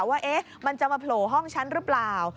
ว่ามันจะมาโผล่ห้องฉันหรือเปล่า